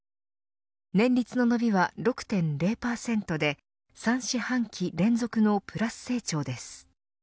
年率の伸びは６．０％で３四半期連続のプラス成長です。